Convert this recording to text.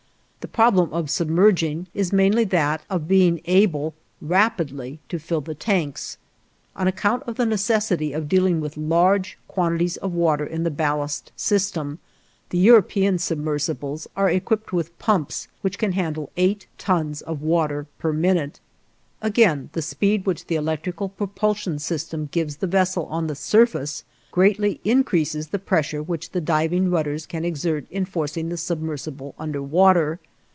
The problem of submerging is mainly that of being able rapidly to fill the tanks. On account of the necessity of dealing with large quantities of water in the ballast system, the European submersibles are equipped with pumps which can handle eight tons of water per minute. Again, the speed which the electrical propulsion system gives the vessel on the surface greatly increases the pressure which the diving rudders can exert in forcing the submersible under water.